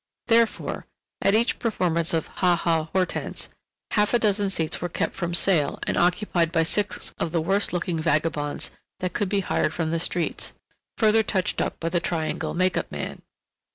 Therefore, at each performance of "Ha Ha Hortense!" half a dozen seats were kept from sale and occupied by six of the worst looking vagabonds that could be hired from the streets, further touched up by the Triangle make up man.